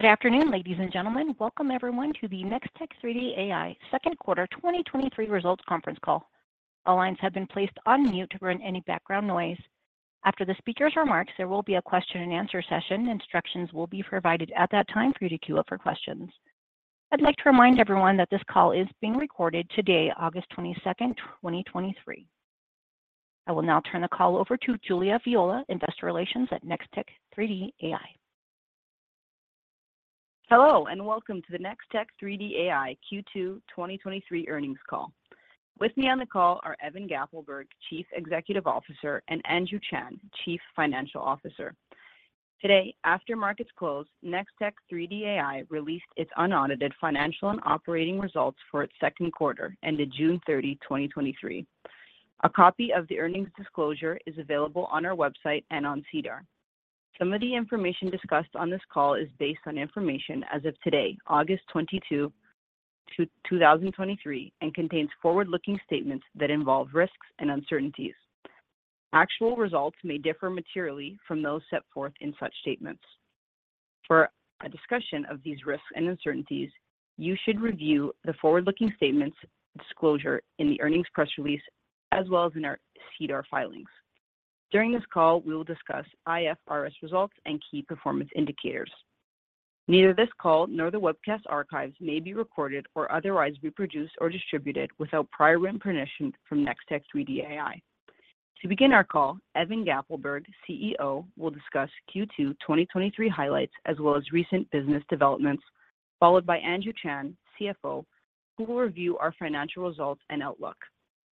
Good afternoon, ladies and gentlemen. Welcome everyone to the Nextech3D.ai second quarter 2023 results conference call. All lines have been placed on mute to prevent any background noise. After the speaker's remarks, there will be a question and answer session. Instructions will be provided at that time for you to queue up for questions. I'd like to remind everyone that this call is being recorded today, August 22nd, 2023. I will now turn the call over to Julia Viola, Investor Relations at Nextech3D.ai. Hello, welcome to the Nextech3D.ai Q2 2023 earnings call. With me on the call are Evan Gappelberg, Chief Executive Officer, and Andrew Chan, Chief Financial Officer. Today, after markets closed, Nextech3D.ai released its unaudited financial and operating results for its second quarter, ended June 30, 2023. A copy of the earnings disclosure is available on our website and on Sedar. Some of the information discussed on this call is based on information as of today, August 22, 2023, and contains forward-looking statements that involve risks and uncertainties. Actual results may differ materially from those set forth in such statements. For a discussion of these risks and uncertainties, you should review the forward-looking statements disclosure in the earnings press release, as well as in our Sedar filings. During this call, we will discuss IFRS results and key performance indicators. Neither this call nor the webcast archives may be recorded or otherwise reproduced or distributed without prior written permission from Nextech3D.ai. To begin our call, Evan Gappelberg, CEO, will discuss Q2 2023 highlights, as well as recent business developments, followed by Andrew Chan, CFO, who will review our financial results and outlook.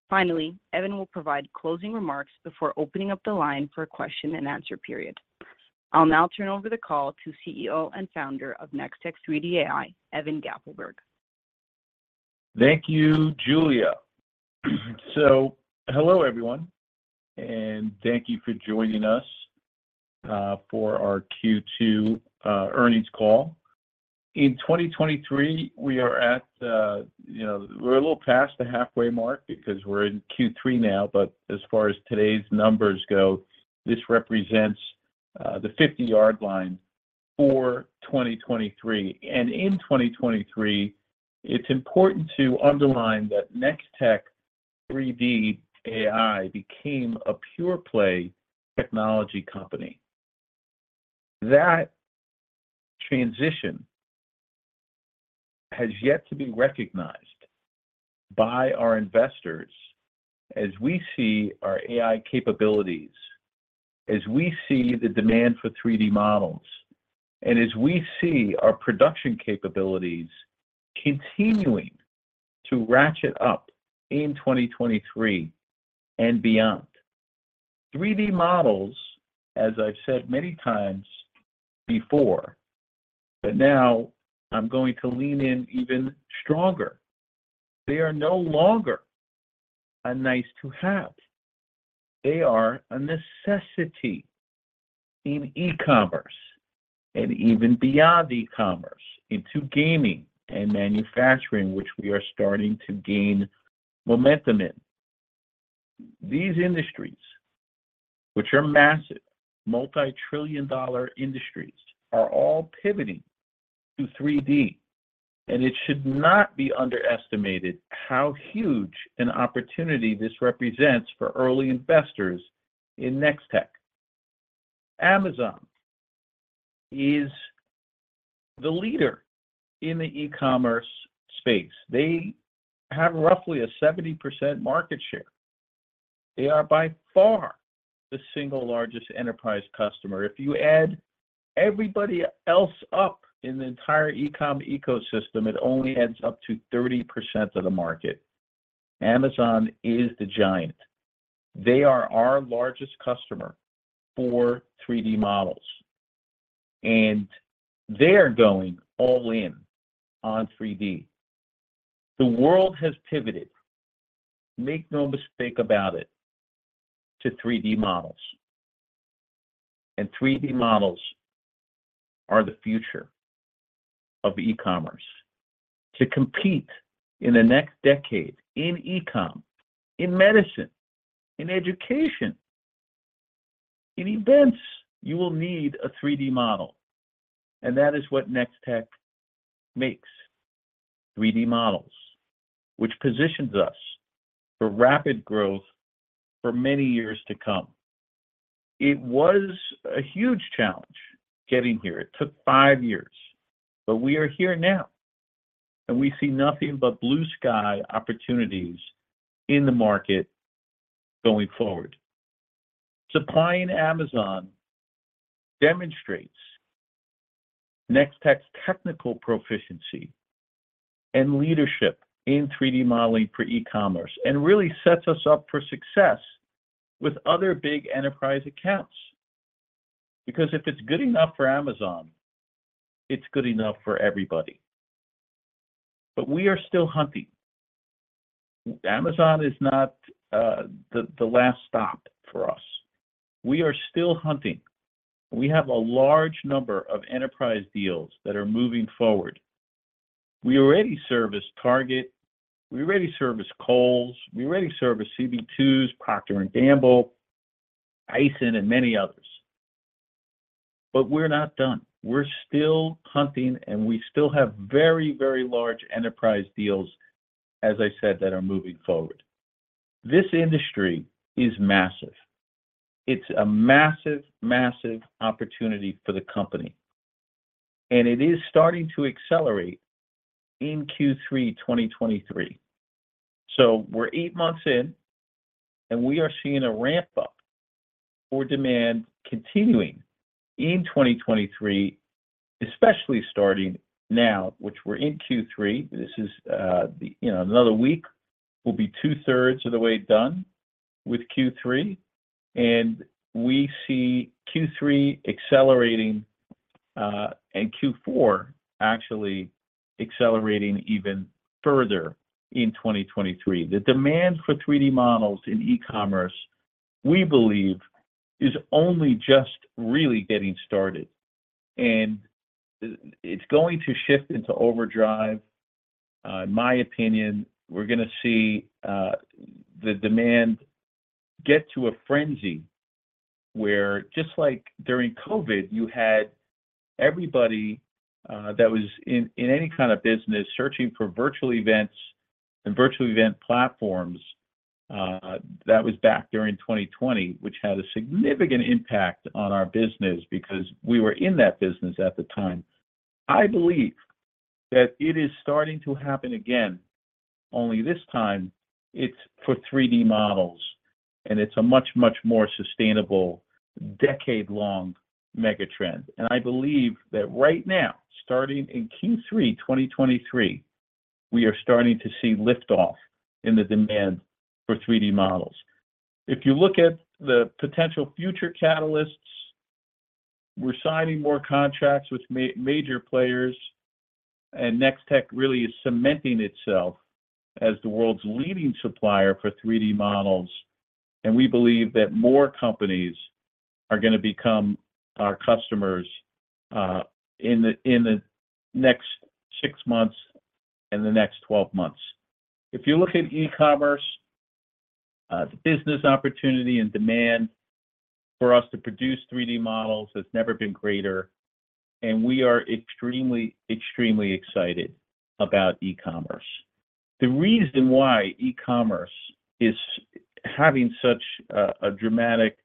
Finally, Evan will provide closing remarks before opening up the line for a question and answer period. I'll now turn over the call to CEO and founder of Nextech3D.ai, Evan Gappelberg. Thank you, Julia. Hello, everyone, and thank you for joining us for our Q2 earnings call. In 2023, we are at, you know, we're a little past the halfway mark because we're in Q3 now, but as far as today's numbers go, this represents the 50-yard line for 2023. In 2023, it's important to underline that Nextech3D.ai became a pure play technology company. That transition has yet to be recognized by our investors as we see our AI capabilities, as we see the demand for 3D models, and as we see our production capabilities continuing to ratchet up in 2023 and beyond. 3D models, as I've said many times before, but now I'm going to lean in even stronger, they are no longer a nice to have. They are a necessity in E-commerce and even beyond E-commerce, into gaming and manufacturing, which we are starting to gain momentum in. These industries, which are massive, multi-trillion-dollar industries, are all pivoting to 3D. It should not be underestimated how huge an opportunity this represents for early investors in NextTech. Amazon is the leader in the E-commerce space. They have roughly a 70% market share. They are by far the single largest enterprise customer. If you add everybody else up in the entire e-com ecosystem, it only adds up to 30% of the market. Amazon is the giant. They are our largest customer for 3D models, and they are going all in on 3D. The world has pivoted, make no mistake about it, to 3D models, and 3D models are the future of E-commerce. To compete in the next decade in e-com, in medicine, in education, in events, you will need a 3D model, and that is what Nextech3D.ai makes, 3D models, which positions us for rapid growth for many years to come. It was a huge challenge getting here. It took five years, but we are here now, and we see nothing but blue sky opportunities in the market going forward. Supplying Amazon demonstrates Nextech3D.ai's technical proficiency and leadership in 3D modeling for E-commerce, and really sets us up for success with other big enterprise accounts. Because if it's good enough for Amazon, it's good enough for everybody. We are still hunting. Amazon is not the last stop for us. We are still hunting. We have a large number of enterprise deals that are moving forward... We already service Target, we already service Kohl's, we already service CB2, Procter & Gamble, Aisin, and many others. We're not done. We're still hunting, and we still have very, very large enterprise deals, as I said, that are moving forward. This industry is massive. It's a massive, massive opportunity for the company, and it is starting to accelerate in Q3 2023. We're 8 months in, and we are seeing a ramp up for demand continuing in 2023, especially starting now, which we're in Q3. This is, you know, another week will be two-thirds of the way done with Q3, and we see Q3 accelerating, and Q4 actually accelerating even further in 2023. The demand for 3D models in E-commerce, we believe, is only just really getting started, and it's going to shift into overdrive. In my opinion, we're gonna see the demand get to a frenzy, where just like during COVID, you had everybody that was in, in any kind of business searching for virtual events and virtual event platforms. That was back during 2020, which had a significant impact on our business because we were in that business at the time. I believe that it is starting to happen again. Only this time, it's for 3D models, and it's a much, much more sustainable, decade-long megatrend. I believe that right now, starting in Q3 2023, we are starting to see lift off in the demand for 3D models. If you look at the potential future catalysts, we're signing more contracts with major players, and Nextech really is cementing itself as the world's leading supplier for 3D models, and we believe that more companies are gonna become our customers in the next 6 months and the next 12 months. If you look at E-commerce, the business opportunity and demand for us to produce 3D models has never been greater, and we are extremely, extremely excited about E-commerce. The reason why E-commerce is having such a dramatic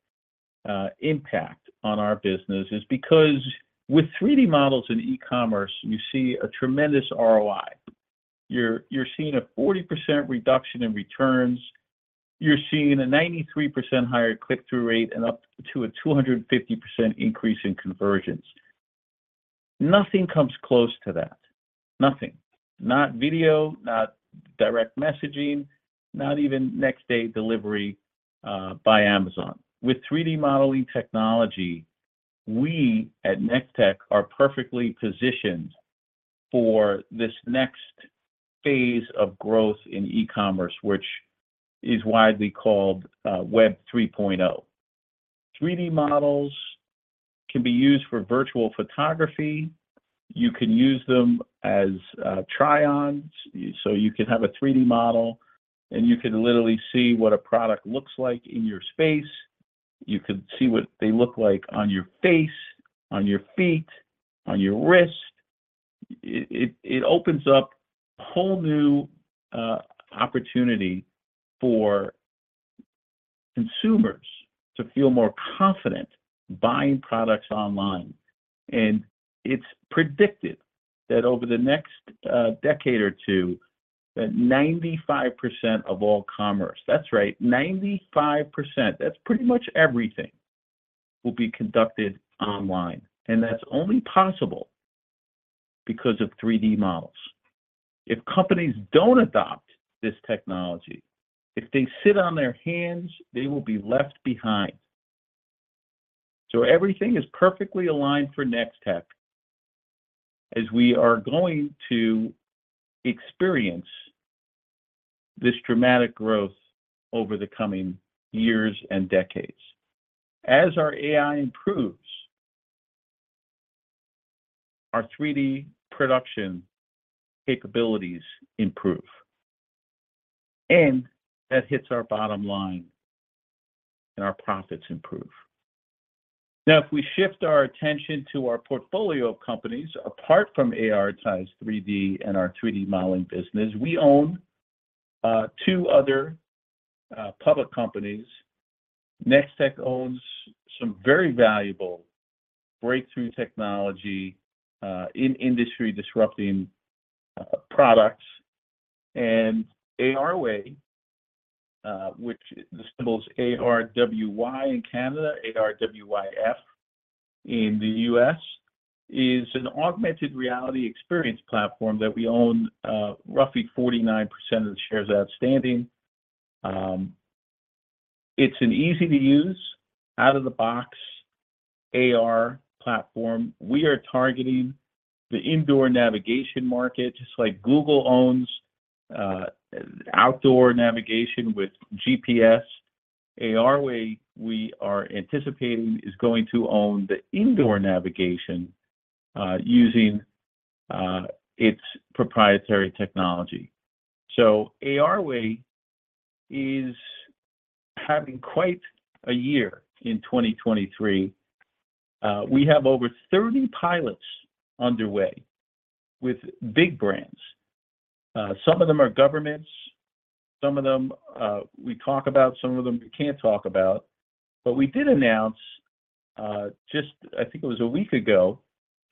impact on our business is because with 3D models in E-commerce, you see a tremendous ROI. You're, you're seeing a 40% reduction in returns, you're seeing a 93% higher click-through rate, and up to a 250% increase in conversions. Nothing comes close to that. Nothing. Not video, not direct messaging, not even next-day delivery, by Amazon. With 3D modeling technology, we at Nextech are perfectly positioned for this next phase of growth in E-commerce, which is widely called, Web 3.0. 3D models can be used for virtual photography. You can use them as, try-ons. So you can have a 3D model, and you can literally see what a product looks like in your space. You could see what they look like on your face, on your feet, on your wrist. It, it, it opens up a whole new, opportunity for consumers to feel more confident buying products online. It's predicted that over the next, decade or two, that 95% of all commerce, that's right, 95%, that's pretty much everything, will be conducted online. That's only possible because of 3D models. If companies don't adopt this technology, if they sit on their hands, they will be left behind. Everything is perfectly aligned for Nextech, as we are going to experience this dramatic growth over the coming years and decades. As our AI improves, our 3D production capabilities improve, and that hits our bottom line, and our profits improve. If we shift our attention to our portfolio of companies, apart from ARitize 3D and our 3D modeling business, we own two other public companies. Nextech owns some very valuable breakthrough technology in industry-disrupting products. ARway, which the symbol is ARWY in Canada, ARWYF in the U.S., is an augmented reality experience platform that we own roughly 49% of the shares outstanding. It's an easy-to-use, out-of-the-box AR platform. We are targeting the indoor navigation market. Just like Google owns outdoor navigation with GPS-... ARway, we are anticipating is going to own the indoor navigation using its proprietary technology. ARway is having quite a year in 2023. We have over 30 pilots underway with big brands. Some of them are governments, some of them we talk about, some of them we can't talk about. We did announce just I think it was a week ago,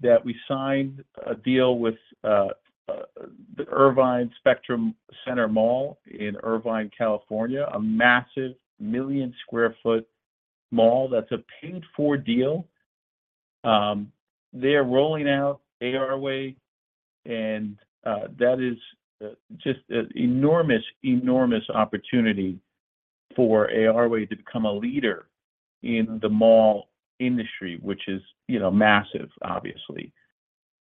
that we signed a deal with the Irvine Spectrum Center Mall in Irvine, California, a massive 1 million sq ft mall that's a paid-for deal. They are rolling out ARway, and that is just an enormous, enormous opportunity for ARway to become a leader in the mall industry, which is, you know, massive, obviously.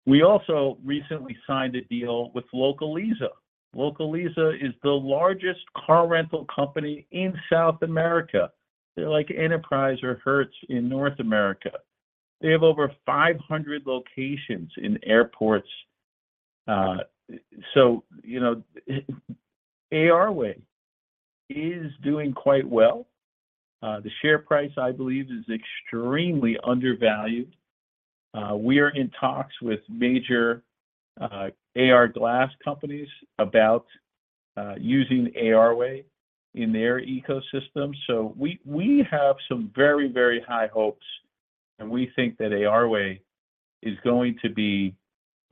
We also recently signed a deal with Localiza. Localiza is the largest car rental company in South America. They're like Enterprise or Hertz in North America. They have over 500 locations in airports. You know, ARway is doing quite well. The share price, I believe, is extremely undervalued. We are in talks with major AR glass companies about using ARway in their ecosystem. We, we have some very, very high hopes, and we think that ARway is going to be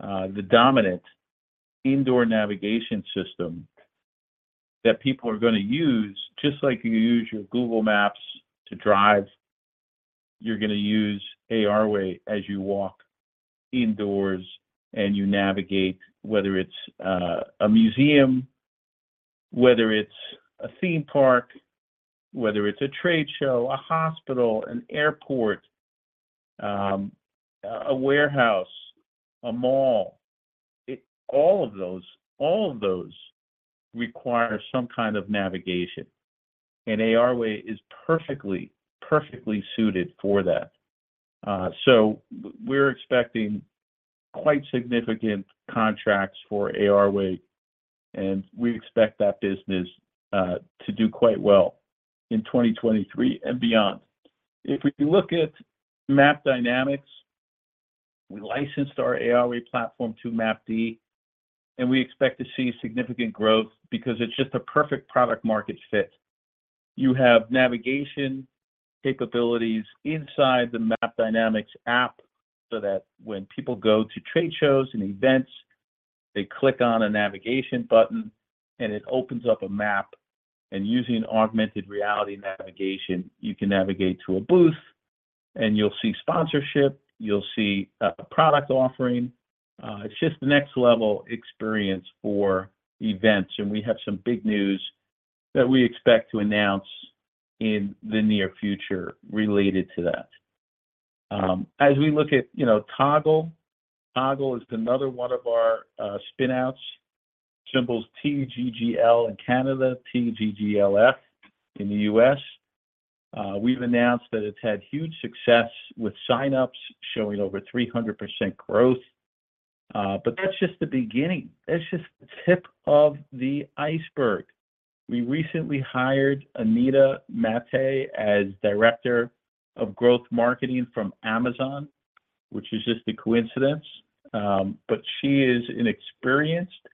the dominant indoor navigation system that people are gonna use. Just like you use your Google Maps to drive, you're gonna use ARway as you walk indoors and you navigate, whether it's a museum, whether it's a theme park, whether it's a trade show, a hospital, an airport, a, a warehouse, a mall. All of those, all of those require some kind of navigation, and ARway is perfectly, perfectly suited for that. So we're expecting quite significant contracts for ARway, and we expect that business to do quite well in 2023 and beyond. If we look at Map Dynamics, we licensed our ARway platform to Map D, and we expect to see significant growth because it's just a perfect product-market fit. You have navigation capabilities inside the Map Dynamics app, so that when people go to trade shows and events, they click on a navigation button, and it opens up a map. Using augmented reality navigation, you can navigate to a booth, and you'll see sponsorship, you'll see a, a product offering. It's just the next level experience for events, and we have some big news that we expect to announce in the near future related to that. As we look at, you know, Toggle3D.ai. Toggle3D.ai is another one of our spin-outs, symbols, TGGL in Canada, TGGLF in the U.S. We've announced that it's had huge success with sign-ups, showing over 300% growth. That's just the beginning. That's just the tip of the iceberg. We recently hired Anita Matte as Director of Growth Marketing from Amazon, which is just a coincidence, but she is an experienced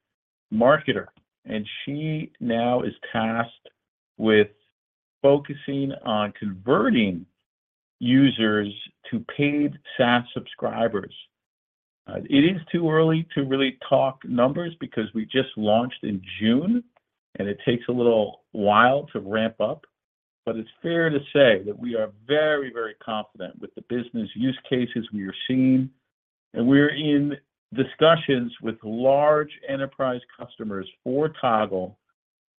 marketer, and she now is tasked with focusing on converting users to paid SaaS subscribers. It is too early to really talk numbers because we just launched in June, and it takes a little while to ramp up, but it's fair to say that we are very, very confident with the business use cases we are seeing. We're in discussions with large enterprise customers for Toggle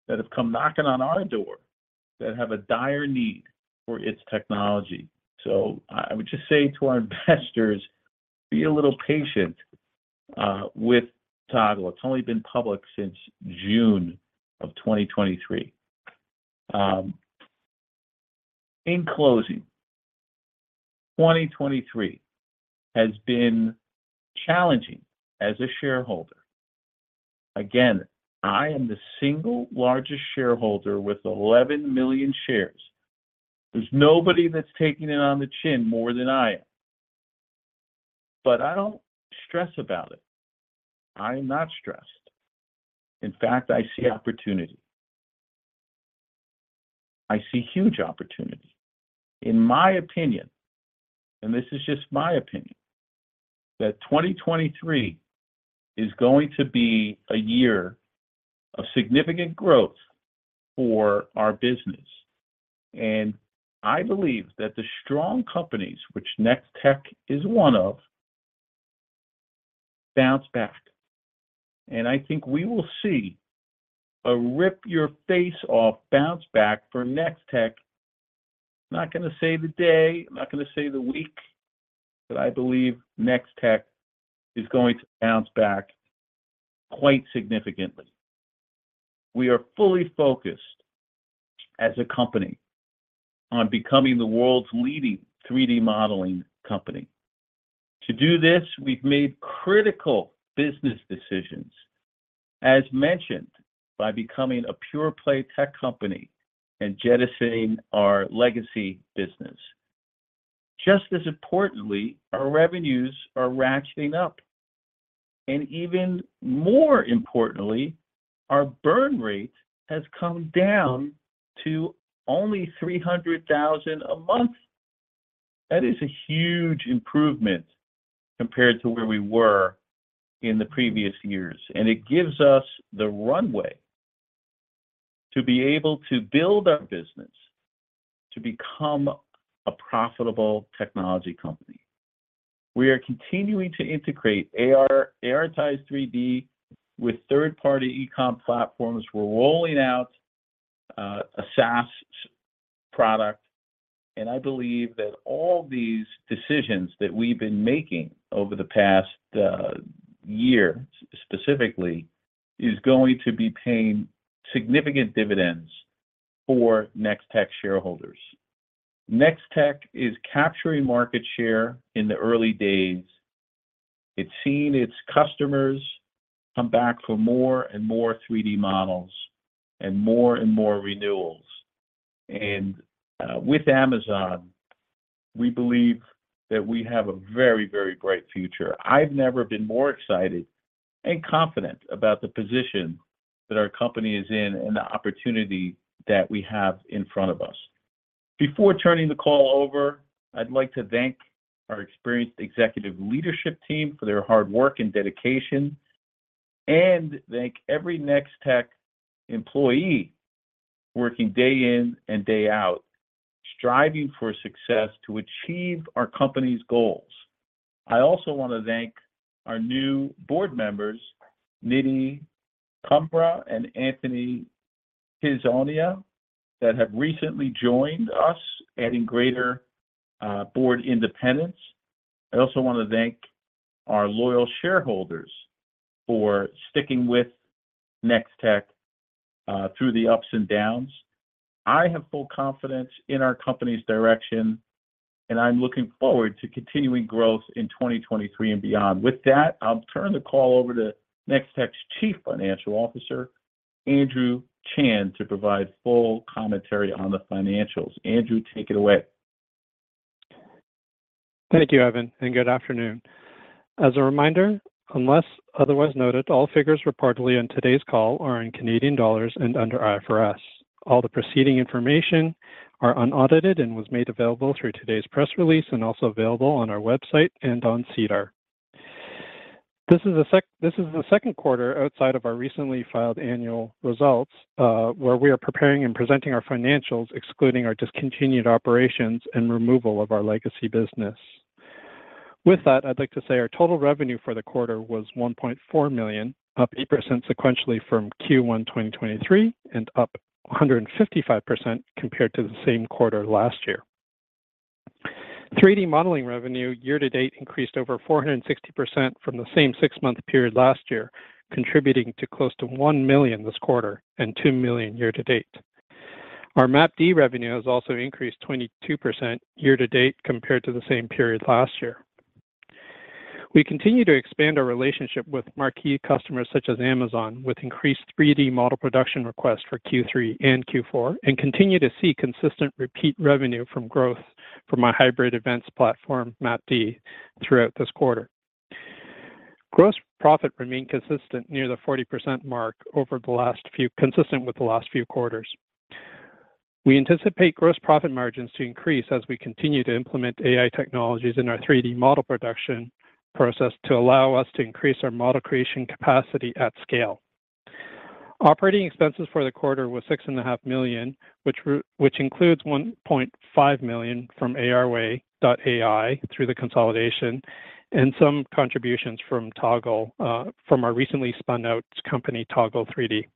that have come knocking on our door, that have a dire need for its technology. I, I would just say to our investors, "Be a little patient with Toggle. It's only been public since June of 2023." In closing, 2023 has been challenging as a shareholder. Again, I am the single largest shareholder with 11 million shares. There's nobody that's taking it on the chin more than I am, but I don't stress about it. I am not stressed. In fact, I see opportunity. I see huge opportunity. In my opinion, and this is just my opinion, that 2023 is going to be a year of significant growth for our business. I believe that the strong companies, which Nextech is one of, bounce back, and I think we will see a rip-your-face-off bounce back for Nextech. I'm not gonna say the day, I'm not gonna say the week, but I believe Nextech is going to bounce back, quite significantly. We are fully focused as a company on becoming the world's leading 3D modeling company. To do this, we've made critical business decisions, as mentioned, by becoming a pure play tech company and jettisoning our legacy business. Just as importantly, our revenues are ratcheting up, and even more importantly, our burn rate has come down to only $300,000 a month. That is a huge improvement compared to where we were in the previous years, and it gives us the runway to be able to build our business to become a profitable technology company. We are continuing to integrate AR, ARitize 3D with third-party e-com platforms. We're rolling out a SaaS product, and I believe that all these decisions that we've been making over the past year, specifically, is going to be paying significant dividends for Nextech shareholders. Nextech is capturing market share in the early days. It's seen its customers come back for more and more 3D models and more and more renewals. And, with Amazon, we believe that we have a very, very bright future. I've never been more excited and confident about the position that our company is in and the opportunity that we have in front of us. Before turning the call over, I'd like to thank our experienced executive leadership team for their hard work and dedication, and thank every Nextech3D.ai employee working day in and day out, striving for success to achieve our company's goals. I also want to thank our new board members, Nidhi Kumra and Anthony Pizzonia, that have recently joined us, adding greater board independence. I also want to thank our loyal shareholders for sticking with Nextech3D.ai through the ups and downs. I have full confidence in our company's direction, and I'm looking forward to continuing growth in 2023 and beyond. With that, I'll turn the call over to Nextech3D.ai's Chief Financial Officer, Andrew Chan, to provide full commentary on the financials. Andrew, take it away. Thank you, Evan. Good afternoon. As a reminder, unless otherwise noted, all figures reported on today's call are in Canadian dollars and under IFRS. All the preceding information are unaudited and was made available through today's press release, and also available on our website and on Sedar. This is the second quarter outside of our recently filed annual results, where we are preparing and presenting our financials, excluding our discontinued operations and removal of our legacy business. With that, I'd like to say our total revenue for the quarter was 1.4 million, up 8% sequentially from Q1 2023, and up 155% compared to the same quarter last year. 3D modeling revenue year-to-date increased over 460% from the same six-month period last year, contributing to close to $1 million this quarter and $2 million year-to-date. Our Map D revenue has also increased 22% year-to-date compared to the same period last year. We continue to expand our relationship with marquee customers such as Amazon, with increased 3D model production requests for Q3 and Q4, and continue to see consistent repeat revenue from growth from our hybrid events platform, Map D, throughout this quarter. Gross profit remained consistent near the 40% mark consistent with the last few quarters. We anticipate gross profit margins to increase as we continue to implement AI technologies in our 3D model production process to allow us to increase our model creation capacity at scale. Operating expenses for the quarter was $6.5 million, which includes $1.5 million from ARway.ai through the consolidation and some contributions from Toggle3D, from our recently spun out company, Toggle3D.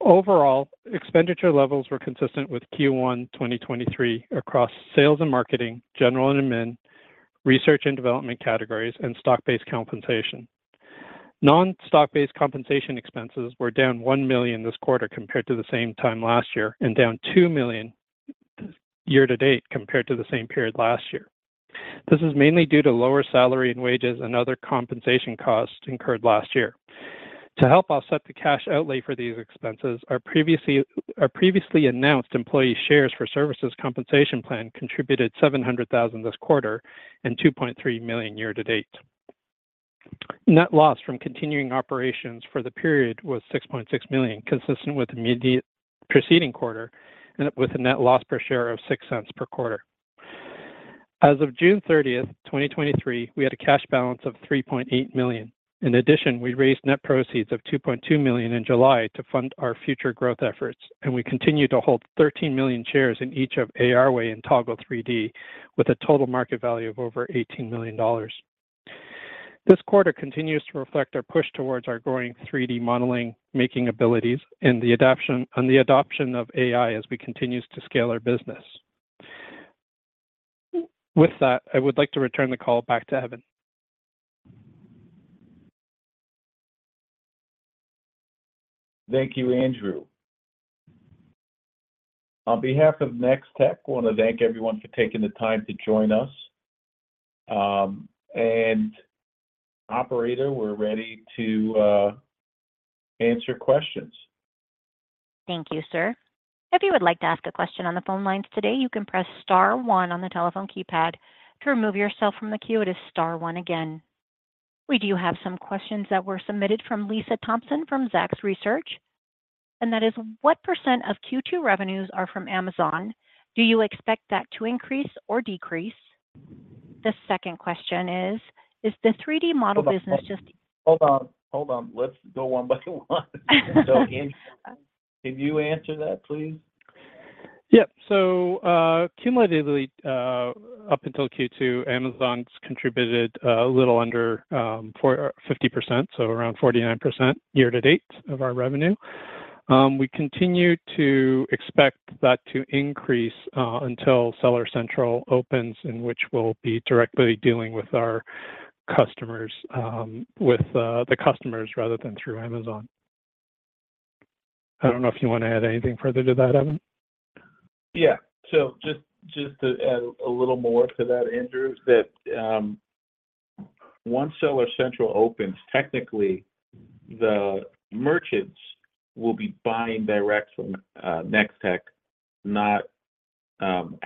Overall, expenditure levels were consistent with Q1 2023 across sales and marketing, general and admin, R&D categories, and stock-based compensation. Non-stock-based compensation expenses were down $1 million this quarter compared to the same time last year, and down $2 million year-to-date compared to the same period last year. This is mainly due to lower salary and wages and other compensation costs incurred last year. To help offset the cash outlay for these expenses, our previously announced Employee Shares for Services compensation plan contributed $700,000 this quarter and $2.3 million year-to-date. Net loss from continuing operations for the period was $6.6 million, consistent with the immediate preceding quarter, with a net loss per share of $0.06 per quarter. As of June 30th, 2023, we had a cash balance of $3.8 million. In addition, we raised net proceeds of $2.2 million in July to fund our future growth efforts. We continue to hold 13 million shares in each of ARway and Toggle3D, with a total market value of over $18 million. This quarter continues to reflect our push towards our growing 3D modeling, making abilities and the adoption of AI as we continues to scale our business. With that, I would like to return the call back to Evan. Thank you, Andrew. On behalf of Nextech, I wanna thank everyone for taking the time to join us. Operator, we're ready to answer questions. Thank you, sir. If you would like to ask a question on the phone lines today, you can press star one on the telephone keypad. To remove yourself from the queue, it is star one again. We do have some questions that were submitted from Lisa Thompson, from Zacks Research, and that is: "What % of Q2 revenues are from Amazon? Do you expect that to increase or decrease?" The second question is: "Is the 3D model business just- Hold on, hold on, let's go one by one. Andrew, can you answer that, please? Yep. Cumulatively, up until Q2, Amazon's contributed a little under 450%, so around 49% year-to-date of our revenue. We continue to expect that to increase until Seller Central opens, in which we'll be directly dealing with our customers, with the customers rather than through Amazon. I don't know if you wanna add anything further to that, Evan? Yeah. Just, just to add a little more to that, Andrew, that, once Amazon Seller Central opens, technically, the merchants will be buying direct from, Nextech, not,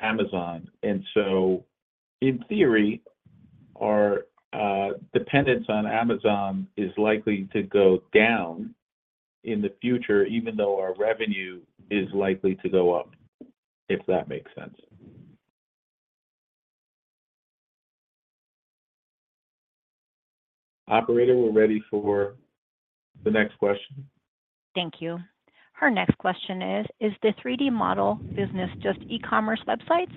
Amazon. In theory, our dependence on Amazon is likely to go down in the future, even though our revenue is likely to go up, if that makes sense. Operator, we're ready for the next question. Thank you. Her next question is: "Is the 3D model business just E-commerce websites?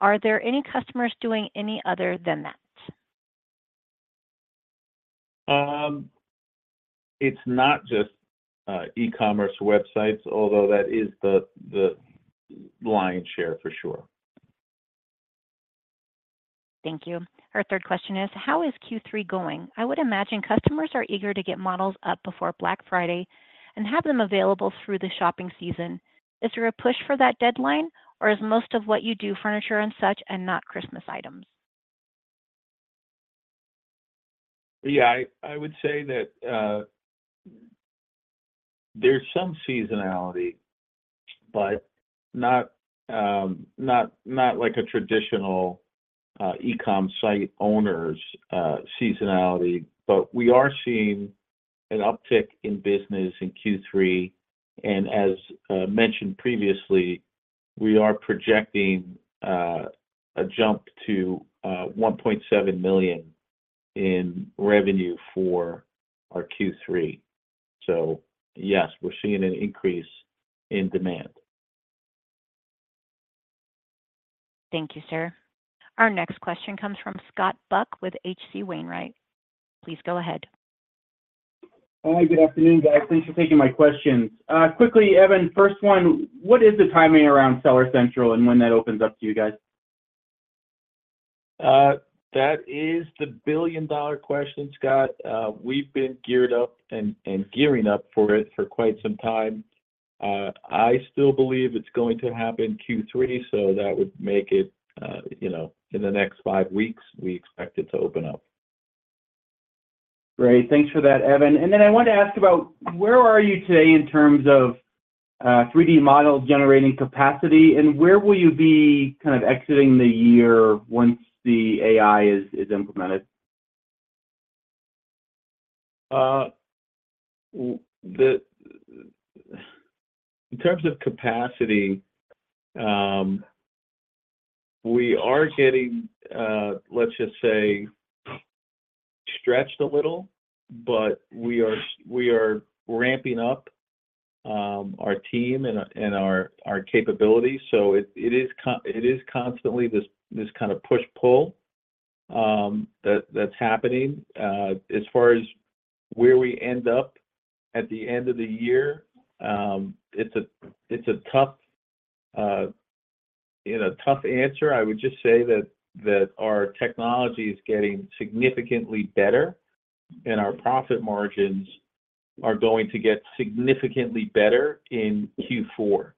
Are there any customers doing any other than that? It's not just E-commerce websites, although that is the, the lion's share, for sure. Thank you. Her third question is: "How is Q3 going? I would imagine customers are eager to get models up before Black Friday and have them available through the shopping season. Is there a push for that deadline, or is most of what you do furniture and such, and not Christmas items? Yeah, I, I would say that, there's some seasonality, but not, not, not like a traditional, E-com site owner's, seasonality. We are seeing an uptick in business in Q3, and as, mentioned previously, we are projecting, a jump to, $1.7 million in revenue for our Q3. Yes, we're seeing an increase in demand. Thank you, sir. Our next question comes from Scott Buck with H.C. Wainwright. Please go ahead. Hi, good afternoon, guys. Thanks for taking my questions. quickly, Evan, first one, what is the timing around Seller Central, and when that opens up to you guys? That is the billion-dollar question, Scott. We've been geared up and, and gearing up for it for quite some time. I still believe it's going to happen Q3, so that would make it, you know, in the next five weeks, we expect it to open up. Great. Thanks for that, Evan. I wanted to ask about, where are you today in terms of, 3D models generating capacity, and where will you be kind of exiting the year once the AI is implemented? The, in terms of capacity, we are getting, let's just say, stretched a little, but we are ramping up our team and our capabilities. It is constantly this kind of push-pull that's happening. As far as where we end up at the end of the year, it's a, it's a tough, you know, tough answer. I would just say that our technology is getting significantly better, and our profit margins are going to get significantly better in Q4.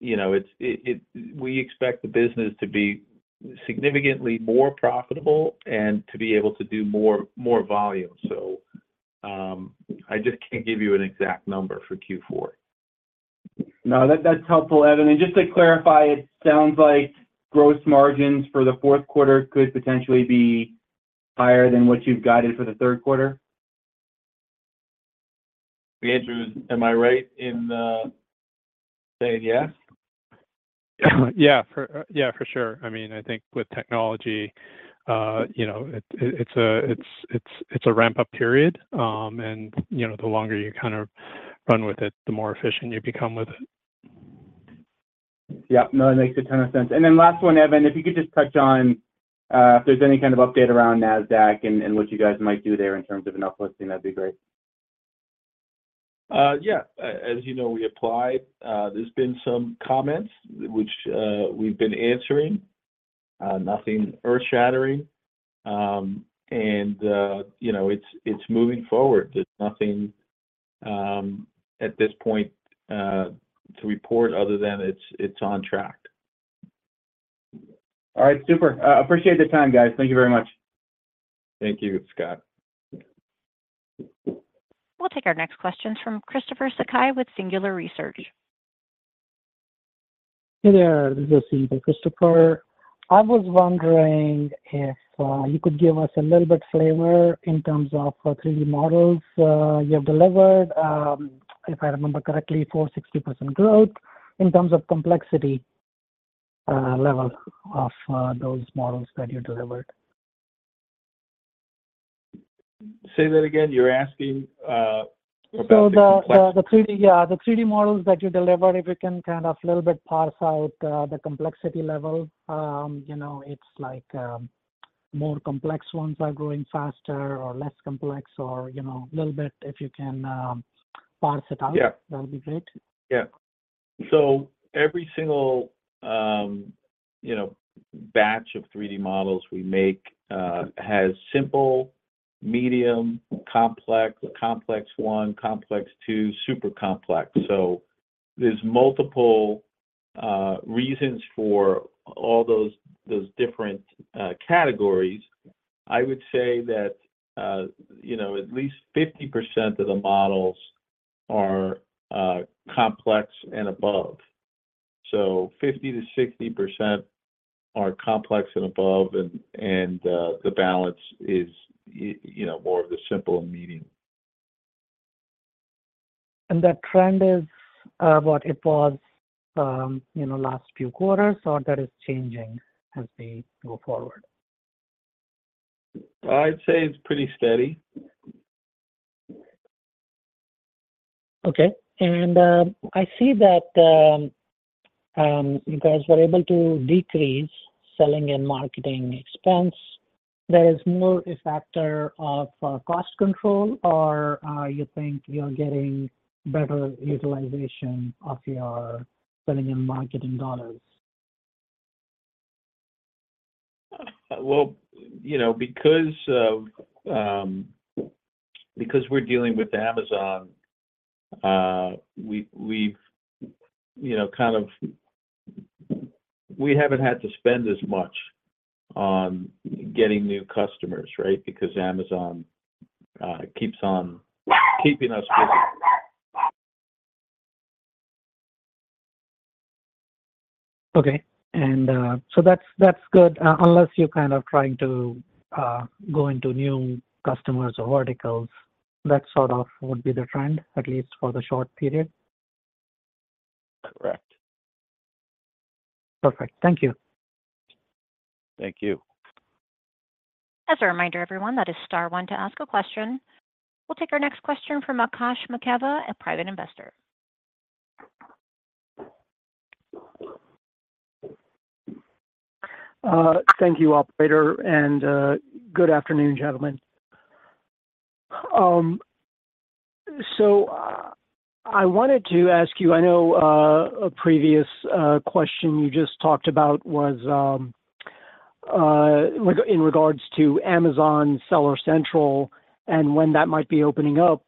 You know, it, it, it we expect the business to be significantly more profitable and to be able to do more, more volume. I just can't give you an exact number for Q4. No, that, that's helpful, Evan. Just to clarify, it sounds like gross margins for the fourth quarter could potentially be higher than what you've guided for the third quarter? Andrew, am I right in saying yes? Yeah, for, yeah, for sure. I mean, I think with technology, you know, it, it's a, it's, it's, it's a ramp-up period. You know, the longer you kind of run with it, the more efficient you become with it. Yep. No, it makes a ton of sense. Last one, Evan, if you could just touch on, if there's any kind of update around Nasdaq and what you guys might do there in terms of an Uplisting, that'd be great. ...Yeah, as you know, we applied. There's been some comments, which, we've been answering, nothing earth-shattering. You know, it's, it's moving forward. There's nothing, at this point, to report other than it's, it's on track. All right, super. Appreciate the time, guys. Thank you very much. Thank you, Scott. We'll take our next questions from Christopher Sakai with Singular Research. Hey there, this is Christopher. I was wondering if you could give us a little bit flavor in terms of three models you have delivered, if I remember correctly, for 60% growth in terms of complexity, level of those models that you delivered. Say that again, you're asking about the complexity? The, the, the three, yeah, the three models that you deliver, if you can kind of a little bit parse out the complexity level. You know, it's like more complex ones are growing faster or less complex or, you know, a little bit if you can parse it out. Yeah. that'll be great. Yeah. So every single, you know, batch of 3D models we make, has simple, medium, complex, complex one, complex two, super complex. So there's multiple reasons for all those, those different categories. I would say that, you know, at least 50% of the models are complex and above. 50%-60% are complex and above, and, and, the balance is you know, more of the simple and medium. That trend is, what it was, you know, last few quarters, or that is changing as we go forward? I'd say it's pretty steady. Okay. I see that you guys were able to decrease selling and marketing expense. There is more a factor of cost control, or you think you're getting better utilization of your selling and marketing dollars? Well, you know, because, because we're dealing with Amazon, we, we've, you know, we haven't had to spend as much on getting new customers, right? Because Amazon keeps on keeping us busy. Okay. That's, that's good, unless you're kind of trying to, go into new customers or verticals, that sort of would be the trend, at least for the short period. Correct. Perfect. Thank you. Thank you. As a reminder, everyone, that is star one to ask a question. We'll take our next question from Akash Makava, a private investor. Thank you, operator, and good afternoon, gentlemen. I wanted to ask you, I know a previous question you just talked about was in regards to Amazon Seller Central and when that might be opening up.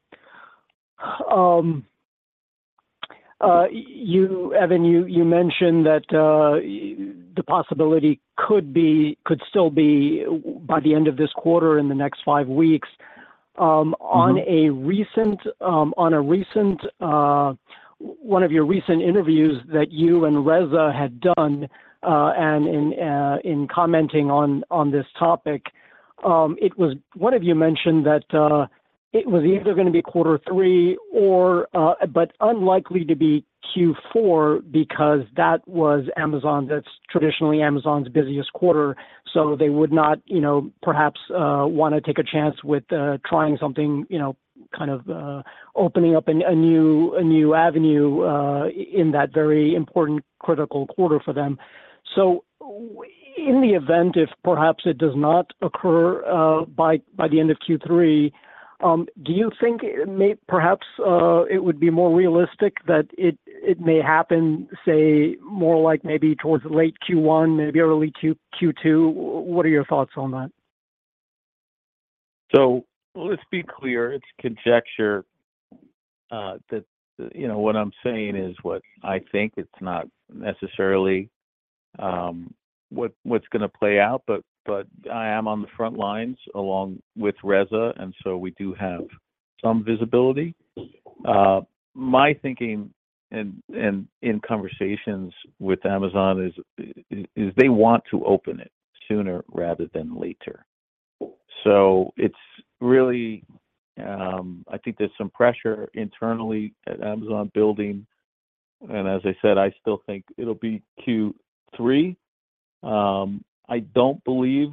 You, Evan, you, you mentioned that the possibility could be, could still be by the end of this quarter, in the next five weeks. Mm-hmm. One of your recent interviews that you and Reza had done, and in commenting on this topic, one of you mentioned that it was either gonna be quarter three or, but unlikely to be Q4 because that was Amazon, that's traditionally Amazon's busiest quarter, so they would not, you know, perhaps, wanna take a chance with trying something, you know, kind of, opening up a new, a new avenue, in that very important, critical quarter for them. In the event, if perhaps it does not occur by the end of Q3, do you think may perhaps, it would be more realistic that it may happen, say, more like maybe towards late Q1, maybe early Q2? What are your thoughts on that? Let's be clear, it's conjecture, that, you know, what I'm saying is what I think. It's not necessarily, what, what's gonna play out, but, but I am on the front lines along with Reza, we do have some visibility. My thinking and, and in conversations with Amazon is, i-is they want to open it sooner rather than later. It's really, I think there's some pressure internally at Amazon building, and as I said, I still think it'll be Q3. I don't believe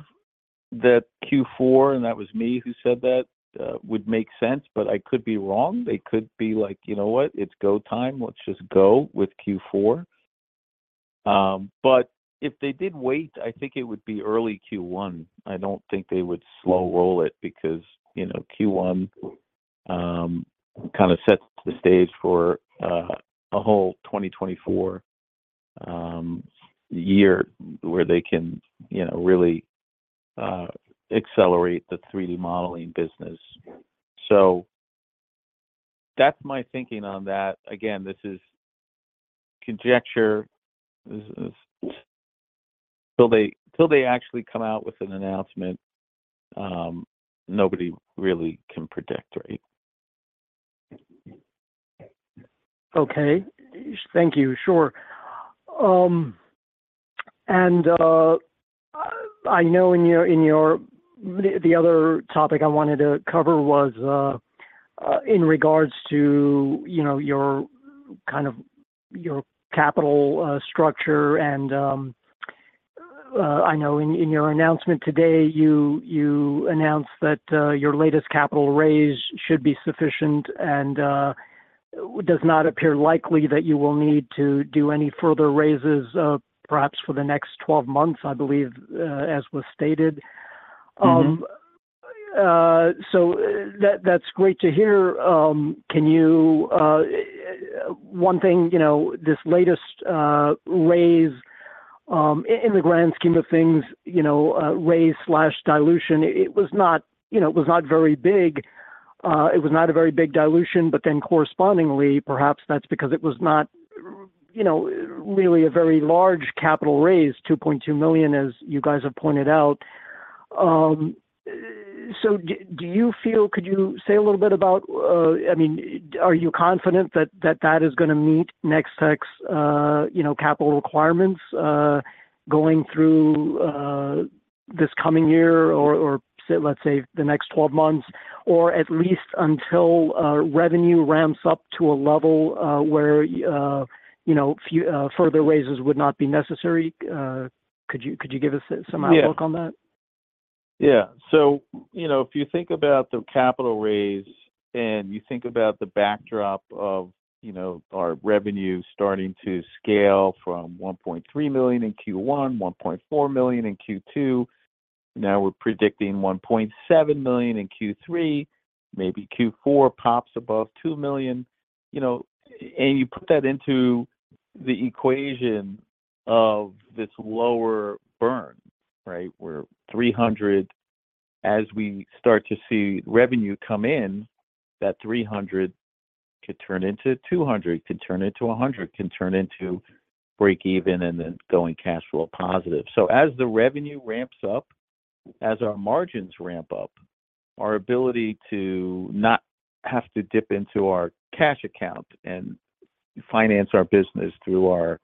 that Q4, and that was me who said that, would make sense, but I could be wrong. They could be like, "You know what? It's go time. Let's just go with Q4."... If they did wait, I think it would be early Q1. I don't think they would slow roll it because, you know, Q1 kind of sets the stage for a whole 2024 year, where they can, you know, really accelerate the 3D modeling business. That's my thinking on that. Again, this is conjecture. This is, till they, till they actually come out with an announcement, nobody really can predict, right? Okay, thank you. Sure. I know in your, the other topic I wanted to cover was in regards to, you know, your kind of, your capital structure, and, I know in, in your announcement today, you, you announced that your latest capital raise should be sufficient and does not appear likely that you will need to do any further raises, perhaps for the next 12 months, I believe, as was stated. Mm-hmm. That, that's great to hear. Can you, one thing, you know, this latest raise, in the grand scheme of things, you know, raise/dilution, it was not, you know, it was not very big. It was not a very big dilution, but then correspondingly, perhaps that's because it was not, you know, really a very large capital raise, $2.2 million, as you guys have pointed out. Do you feel... Could you say a little bit about, I mean, are you confident that that is gonna meet Nextech's, you know, capital requirements, going through this coming year or, let's say, the next 12 months, or at least until revenue ramps up to a level where, you know, few further raises would not be necessary? Could you give us some outlook on that? Yeah, you know, if you think about the capital raise, and you think about the backdrop of, you know, our revenue starting to scale from $1.3 million in Q1, $1.4 million in Q2, now we're predicting $1.7 million in Q3, maybe Q4 pops above $2 million, you know, and you put that into the equation of this lower burn, right? Where $300, as we start to see revenue come in, that $300 could turn into $200, could turn into $100, can turn into break even, and then going cash flow positive. As the revenue ramps up, as our margins ramp up, our ability to not have to dip into our cash account and finance our business through our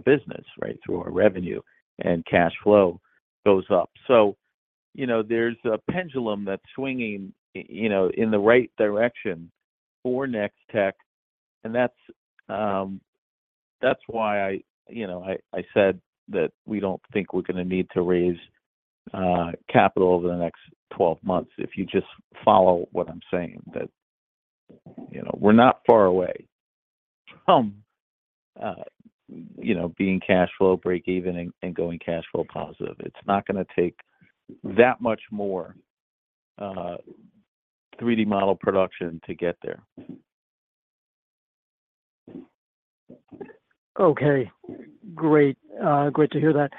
business, right, through our revenue and cash flow goes up. You know, there's a pendulum that's swinging, you know, in the right direction for Nextech, and that's why I, you know, I said that we don't think we're gonna need to raise capital over the next 12 months. If you just follow what I'm saying, that, you know, we're not far away from, you know, being cash flow break even, and going cash flow positive. It's not gonna take that much more 3D model production to get there. Okay, great. Great to hear that.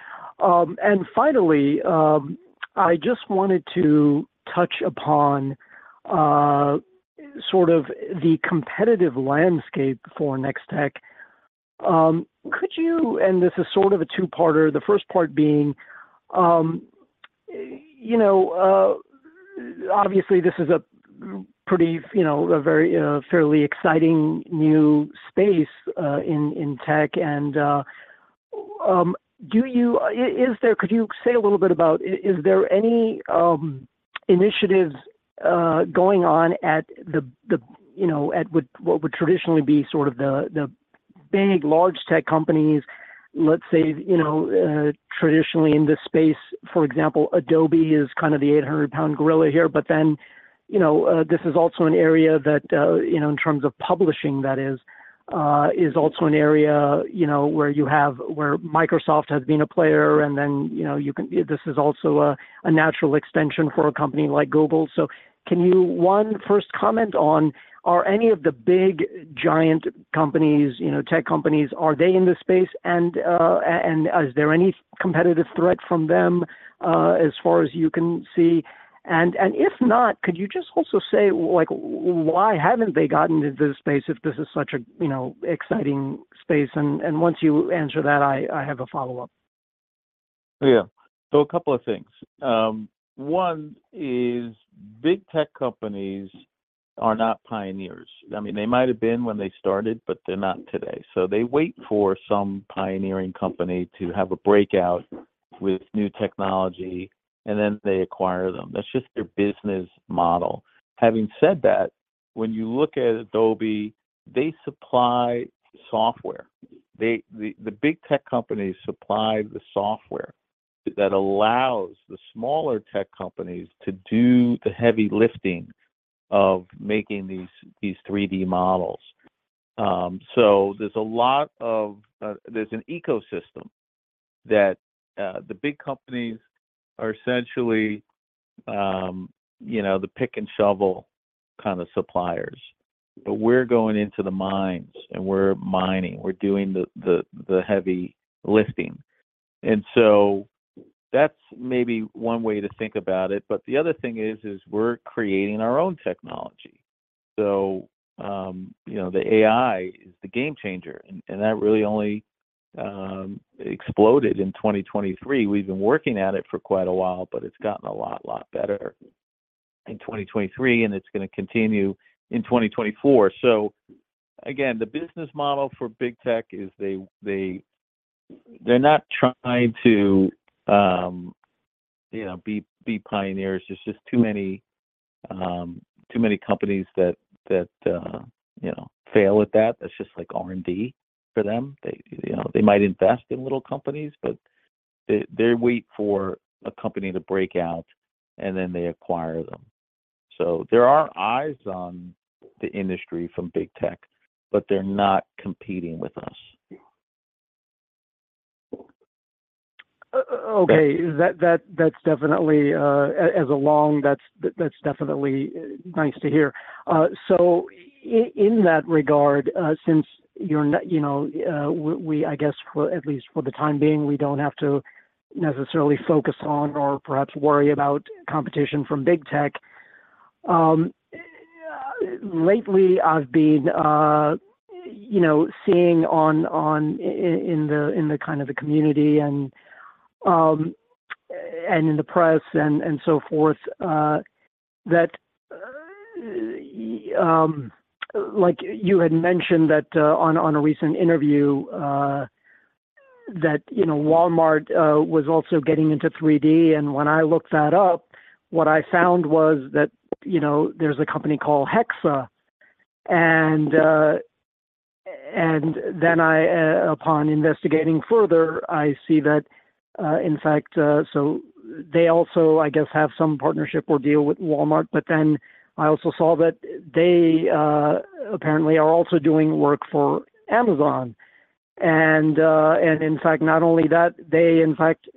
Finally, I just wanted to touch upon, sort of the competitive landscape for Nextech3D.ai. Could you, and this is sort of a two-parter, the first part being, you know, obviously, this is a pretty, you know, a very, fairly exciting new space, in, in tech. Do you- i-is there- could you say a little bit about, i-is there any, initiatives, going on at the, the, you know, at what, what would traditionally be sort of the, the big, large tech companies, let's say, you know, traditionally in this space, for example, Adobe is kind of the 800-pound gorilla here. You know, this is also an area that, you know, in terms of publishing that is, is also an area, you know, where you have, where Microsoft has been a player, and then, you know, you can... This is also a, a natural extension for a company like Google. Can you 1, first comment on, are any of the big giant companies, you know, tech companies, are they in this space? And is there any competitive threat from them, as far as you can see? And if not, could you just also say, like, why haven't they gotten into this space if this is such a, you know, exciting space? And once you answer that, I, I have a follow-up. Yeah. A couple of things. One is big tech companies are not pioneers. I mean, they might have been when they started, but they're not today. They wait for some pioneering company to have a breakout with new technology, and then they acquire them. That's just their business model. Having said that, when you look at Adobe, they supply software. The big tech companies supply the software that allows the smaller tech companies to do the heavy lifting. Of making these, these 3D models. There's a lot of, there's an ecosystem that the big companies are essentially, you know, the pick and shovel kind of suppliers. We're going into the mines, and we're mining, we're doing the, the, the heavy lifting. That's maybe one way to think about it, but the other thing is, is we're creating our own technology. You know, the AI is the game changer, and, and that really only exploded in 2023. We've been working at it for quite a while, but it's gotten a lot, lot better in 2023, and it's gonna continue in 2024. Again, the business model for big tech is they, they, they're not trying to, you know, be, be pioneers. There's just too many, too many companies that, that, you know, fail at that. That's just like R&D for them. They, you know, they might invest in little companies, but they, they wait for a company to break out, and then they acquire them. There are eyes on the industry from big tech, but they're not competing with us. Okay. That, that, that's definitely, as a long, that's, that's definitely nice to hear. So in, in that regard, since you're not, you know, we, I guess for at least for the time being, we don't have to necessarily focus on or perhaps worry about competition from big tech. Lately, I've been, you know, seeing on, on, in, in the, in the kind of the community and, and in the press and, and so forth, that, like you had mentioned that, on, on a recent interview, that, you know, Walmart, was also getting into 3D. When I looked that up, what I found was that, you know, there's a company called Hexa. Then I, upon investigating further, I see that, in fact, they also, I guess, have some partnership or deal with Walmart, but then I also saw that they, apparently are also doing work for Amazon. In fact, not only that, they in fact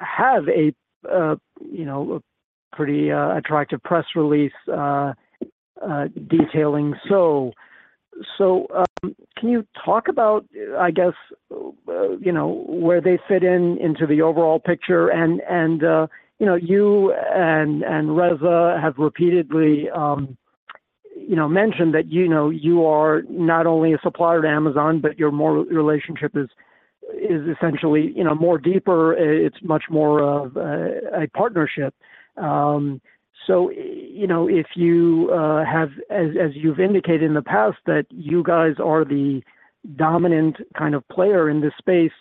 have a, you know, a pretty attractive press release detailing. Can you talk about, I guess, you know, where they fit in into the overall picture and, and, you know, you and, and Reza have repeatedly, you know, mentioned that, you know, you are not only a supplier to Amazon, but your more relationship is, is essentially, you know, more deeper. It's much more of a, a partnership. You know, if you have, as, as you've indicated in the past, that you guys are the dominant kind of player in this space,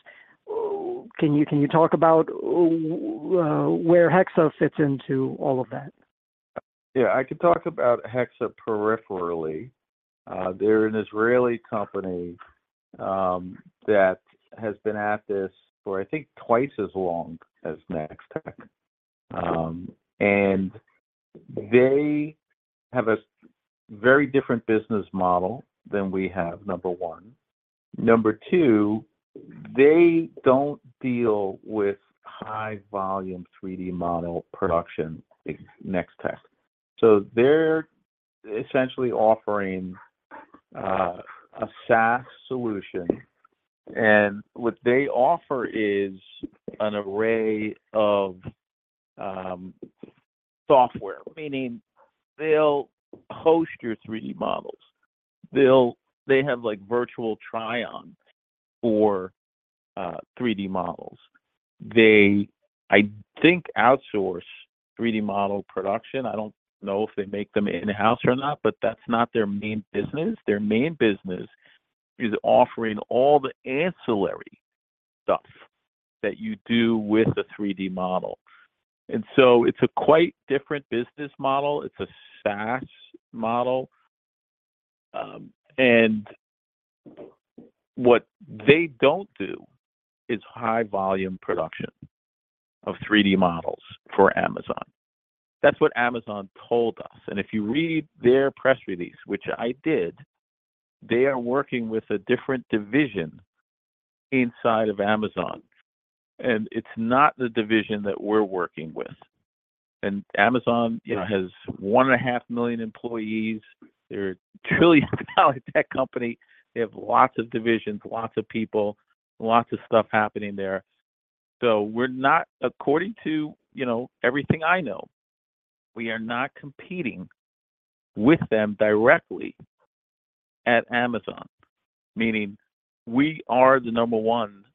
can you, can you talk about where Hexa fits into all of that? Yeah, I could talk about Hexa-peripherally. They're an Israeli company that has been at this for, I think, twice as long as Nextech. They have a very different business model than we have, number one. Number two, they don't deal with high volume 3D model production, Nextech. They're essentially offering a SaaS solution, what they offer is an array of software, meaning they'll host your 3D models. They have, like, virtual try-on for 3D models. They, I think, outsource 3D model production. I don't know if they make them in-house or not, but that's not their main business. Their main business is offering all the ancillary stuff that you do with a 3D model. It's a quite different business model. It's a SaaS model, and what they don't do is high volume production of 3D models for Amazon. That's what Amazon told us. If you read their press release, which I did, they are working with a different division inside of Amazon, and it's not the division that we're working with. Amazon, you know, has 1.5 million employees. They're a $1 trillion tech company. They have lots of divisions, lots of people, lots of stuff happening there. We're not, according to, you know, everything I know, we are not competing with them directly at Amazon, meaning we are the number 1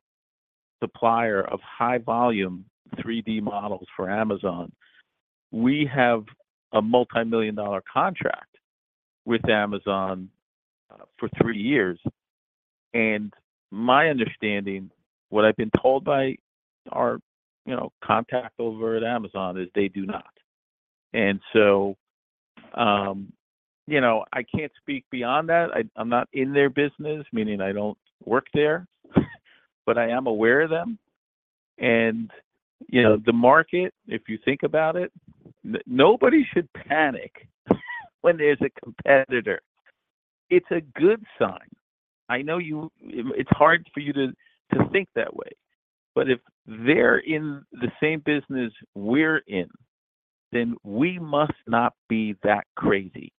supplier of high volume 3D models for Amazon. We have a $multi-million contract with Amazon, for 3 years, and my understanding, what I've been told by our, you know, contact over at Amazon, is they do not. You know, I can't speak beyond that. I, I'm not in their business, meaning I don't work there, but I am aware of them. You know, the market, if you think about it, nobody should panic when there's a competitor. It's a good sign. I know it, it's hard for you to, to think that way, but if they're in the same business we're in, then we must not be that crazy.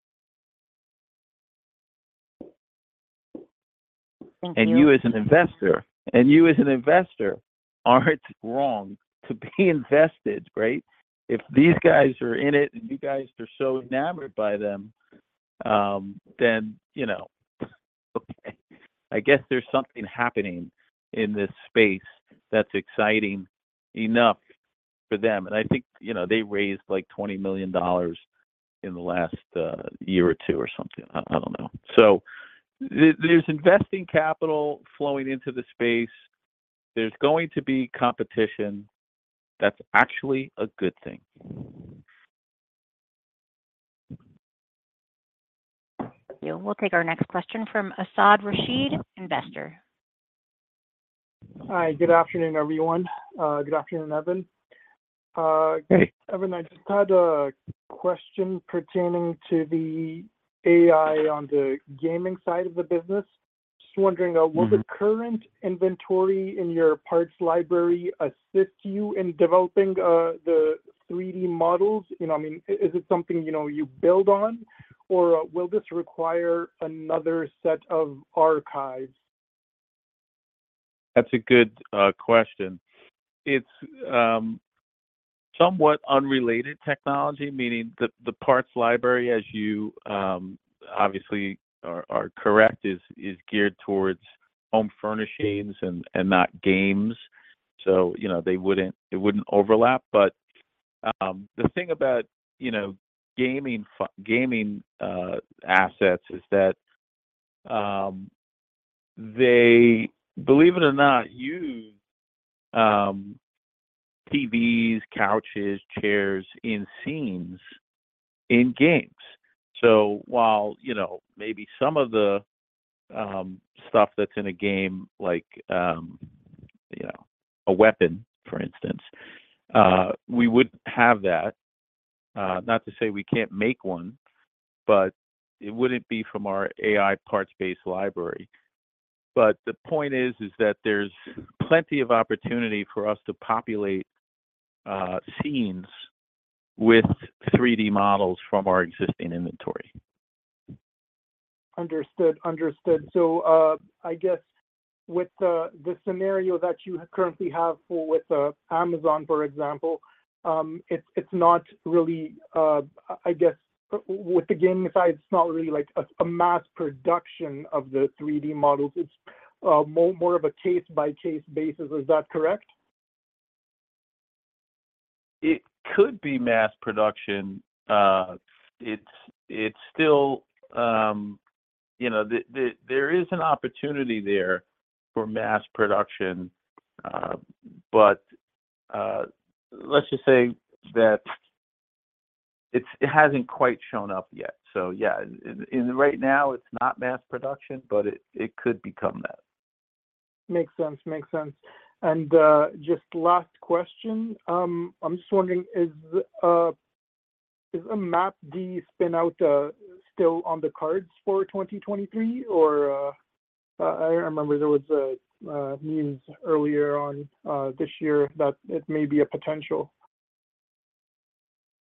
Thank you. You, as an investor, and you as an investor, aren't wrong to be invested, right? If these guys are in it, and you guys are so enamored by them, then, you know, okay, I guess there's something happening in this space that's exciting enough for them. I think, you know, they raised, like, $20 million in the last year or 2 or something. I, I don't know. There's investing capital flowing into the space. There's going to be competition. That's actually a good thing. Thank you. We'll take our next question from Asad Rashid, investor. Hi, good afternoon, everyone. Good afternoon, Evan. Evan, I just had a question pertaining to the AI on the gaming side of the business. Just wondering. Mm-hmm... will the current inventory in your parts library assist you in developing the 3D models? You know, I mean, is it something, you know, you build on, or will this require another set of archives? That's a good question. It's somewhat unrelated technology, meaning the, the parts library, as you obviously are correct, is geared towards home furnishings and not games. You know, they wouldn't, it wouldn't overlap. The thing about, you know, gaming gaming assets is that they, believe it or not, use TVs, couches, chairs in scenes in games. While, you know, maybe some of the stuff that's in a game like, you know, a weapon, for instance, we wouldn't have that. Not to say we can't make one, but it wouldn't be from our AI parts-based library. The point is, is that there's plenty of opportunity for us to populate scenes with 3D models from our existing inventory. Understood. Understood. I guess with the, the scenario that you currently have with Amazon, for example, it's, it's not really I guess with the gaming side, it's not really like a mass production of the 3D models. It's more, more of a case-by-case basis. Is that correct? It could be mass production. It's, it's still, you know, the, the there is an opportunity there for mass production, but, let's just say that it hasn't quite shown up yet. Yeah, in, right now, it's not mass production, but it, it could become that. Makes sense. Makes sense. Just last question. I'm just wondering, is a MapD spin out still on the cards for 2023, or I remember there was a news earlier on this year that it may be a potential?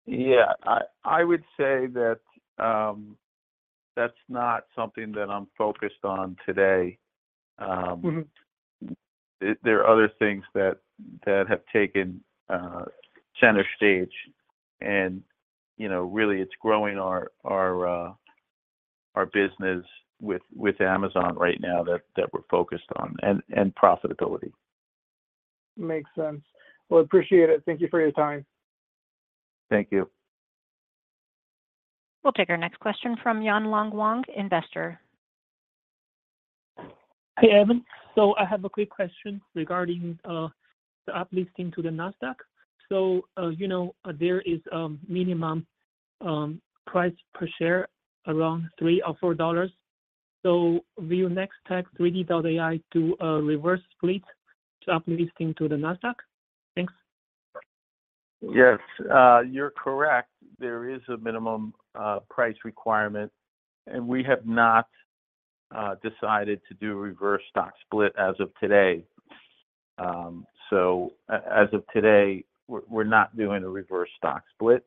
Yeah, I, I would say that, that's not something that I'm focused on today. Mm-hmm ... there are other things that, that have taken center stage, and, you know, really, it's growing our, our, our business with, with Amazon right now that, that we're focused on, and, and profitability. Makes sense. Well, appreciate it. Thank you for your time. Thank you. We'll take our next question from Yan Long Wang, investor. Hey, Evan. I have a quick question regarding the uplisting to the Nasdaq. You know, there is a minimum price per share, around $3 or $4. Will Nextech3D.ai do a reverse split to uplisting to the Nasdaq? Thanks. Yes, you're correct. There is a minimum price requirement, we have not decided to do a reverse stock split as of today. As of today, we're not doing a reverse stock split.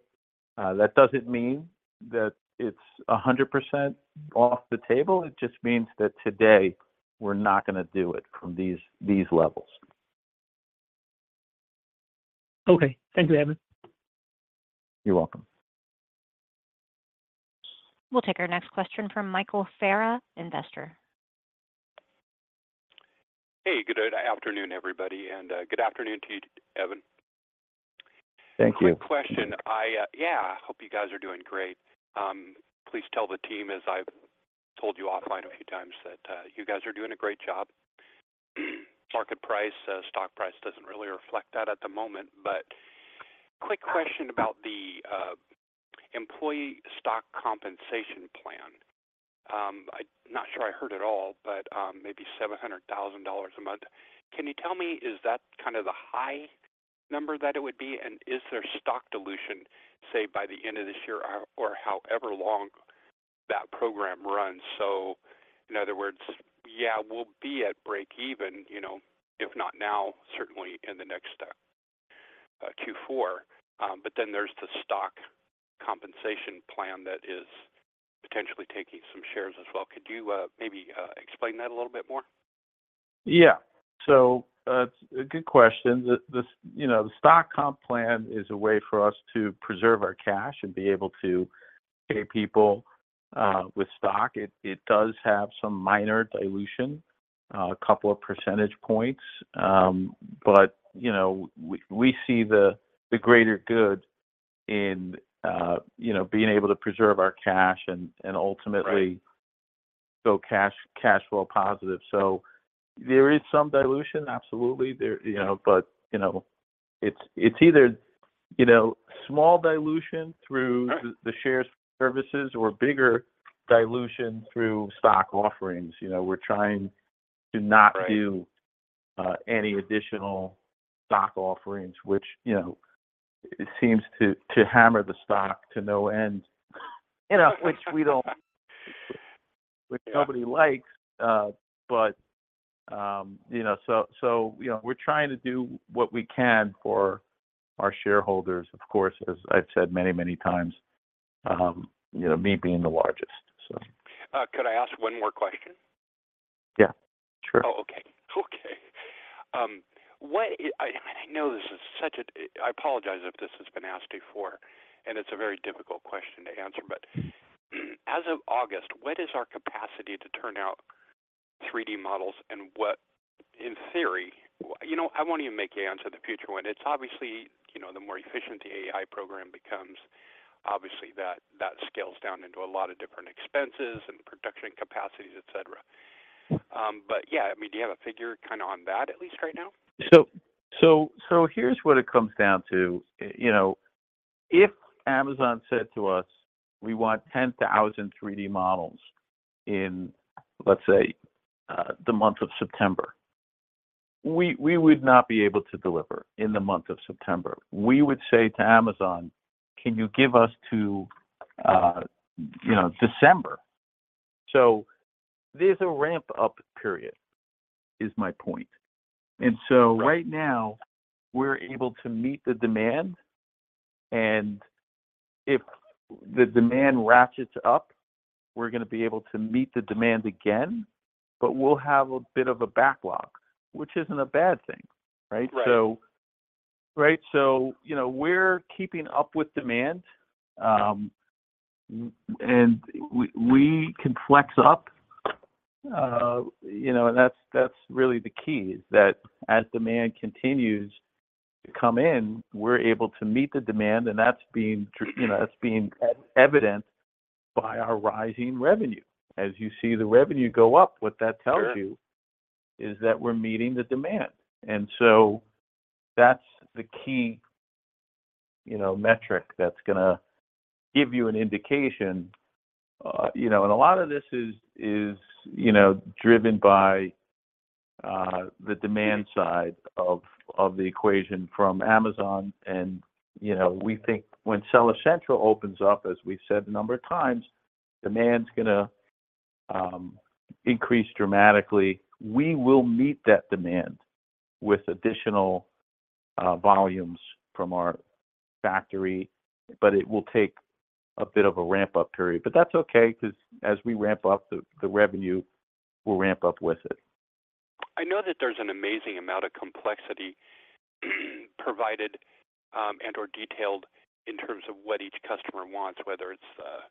That doesn't mean that it's 100% off the table. It just means that today, we're not gonna do it from these, these levels. Okay. Thank you, Evan. You're welcome. We'll take our next question from Michael Farah, Investor. Hey, good afternoon, everybody, and good afternoon to you, Evan. Thank you. Quick question. I, yeah, I hope you guys are doing great. Please tell the team, as I've told you offline a few times, that you guys are doing a great job. Market price, stock price doesn't really reflect that at the moment. Quick question about the employee stock compensation plan. I'm not sure I heard it all, but maybe $700,000 a month. Can you tell me, is that kind of the high number that it would be, and is there stock dilution, say, by the end of this year or, or however long that program runs? In other words, yeah, we'll be at break even, you know, if not now, certainly in the next Q4. Then there's the stock compensation plan that is potentially taking some shares as well. Could you, maybe, explain that a little bit more? Yeah. A good question. The, the, you know, the stock comp plan is a way for us to preserve our cash and be able to pay people with stock. It, it does have some minor dilution, a couple of percentage points. You know, we, we see the, the greater good in, you know, being able to preserve our cash and, and ultimately- Right... go cash, cash flow positive. There is some dilution, absolutely. There, you know, but, you know, it's, it's either, you know, small dilution through the. Right the share services or bigger dilution through stock offerings. You know, we're trying to not do- Right... any additional stock offerings, which, you know, seems to, to hammer the stock to no end. You know, which we don't- Yeah... which nobody likes, but, you know, so, so, you know, we're trying to do what we can for our shareholders, of course, as I've said many, many times, you know, me being the largest, so. Could I ask one more question? Yeah, sure. Oh, okay. Okay. I apologize if this has been asked before, and it's a very difficult question to answer, but, as of August, what is our capacity to turn out 3D models, and what, in theory, you know, I won't even make you answer the future one. It's obviously, you know, the more efficient the AI program becomes, obviously, that, that scales down into a lot of different expenses and production capacities, et cetera. Yeah, I mean, do you have a figure kind of on that, at least right now? Here's what it comes down to. You know, if Amazon said to us, "We want 10,000 3D models in, let's say, the month of September," we, we would not be able to deliver in the month of September. We would say to Amazon, "Can you give us to, you know, December?" There's a ramp-up period, is my point. Right now, we're able to meet the demand, and if the demand ratchets up, we're gonna be able to meet the demand again, but we'll have a bit of a backlog, which isn't a bad thing, right? Right. Right, so, you know, we're keeping up with demand, and we, we can flex up. You know, that's, that's really the key, is that as demand continues to come in, we're able to meet the demand, and that's being, you know, that's being evidenced by our rising revenue. As you see the revenue go up, what that tells you- Sure... is that we're meeting the demand. So that's the key, you know, metric that's gonna give you an indication. You know, and a lot of this is, is, you know, driven by the demand side of the equation from Amazon, and, you know, we think when Amazon Seller Central opens up, as we've said a number of times, demand's gonna increase dramatically. We will meet that demand with additional volumes from our factory, but it will take a bit of a ramp-up period. That's okay, 'cause as we ramp up, the revenue will ramp up with it. I know that there's an amazing amount of complexity, provided, and/or detailed in terms of what each customer wants, whether it's a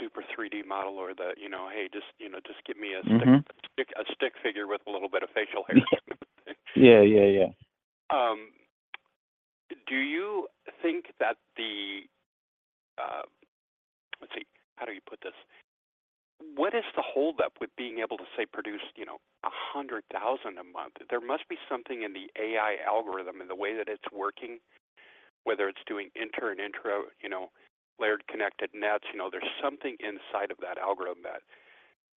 super 3D model or the, you know, "Hey, just, you know, just get me a stick- Mm-hmm... a stick figure with a little bit of facial hair. Yeah, yeah, yeah. Do you think that the, Let's see. How do you put this? What is the hold up with being able to, say, produce, you know, 100,000 a month? There must be something in the AI algorithm and the way that it's working, whether it's doing inter and intro, you know, layered connected nets. You know, there's something inside of that algorithm that